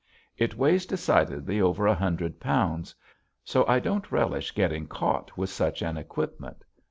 It weighs decidedly over a hundred pounds. So I don't relish getting caught with such an equipment.